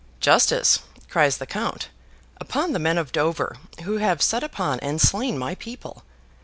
'Justice!' cries the Count, 'upon the men of Dover, who have set upon and slain my people!